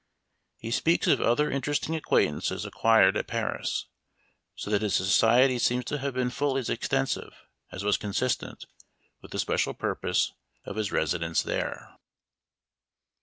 He speaks of other interesting acquaintances acquired at Paris, so that his society seems to have been fully as extensive as was consistent with the special purpose of his residence there.